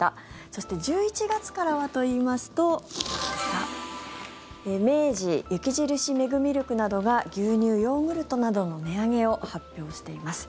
そして１１月からはといいますと明治、雪印メグミルクなどが牛乳、ヨーグルトなどの値上げを発表しています。